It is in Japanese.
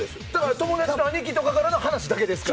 友達の兄貴からの話とかですから。